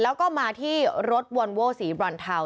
แล้วก็มาที่รถวอนโว้สีบรอนเทา